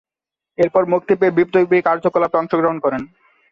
এরপর মুক্তি পেয়ে বিপ্লবী কার্যকলাপে অংশগ্রহণ করেন।